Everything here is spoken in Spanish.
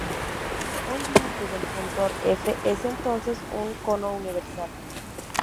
Un límite del funtor F es entonces un "cono universal".